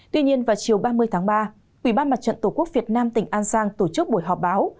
tuy nhiên vào chiều ba mươi tháng ba ủy ban mặt trận tổ quốc việt nam tỉnh an giang tổ chức buổi họp báo